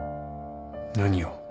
何を？